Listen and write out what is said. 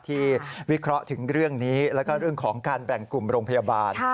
วิเคราะห์ถึงเรื่องนี้แล้วก็เรื่องของการแบ่งกลุ่มโรงพยาบาล